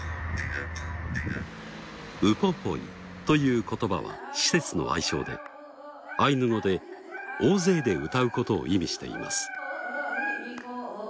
「ウポポイ」という言葉は施設の愛称でアイヌ語でおおぜいで歌うことを意味しています。